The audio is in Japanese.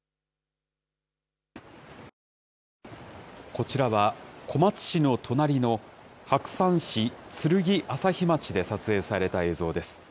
こちらは小松市の隣の白山市鶴来朝日町で撮影された映像です。